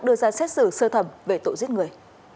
đưa ra xét xử sơ thẩm về tội giết người